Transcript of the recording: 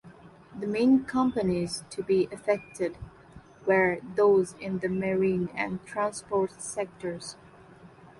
The main companies to be affected were those in the marine and transports sectors.